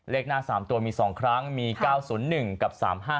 เลขหน้า๓ตัวมี๒ครั้งมี๙๐๑กับ๓๕